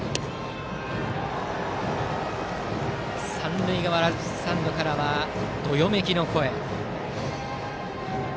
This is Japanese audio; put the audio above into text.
三塁側のアルプススタンドからどよめきの声。